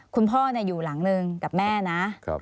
คุณพ่ออยู่หลังหนึ่งกับแม่นะ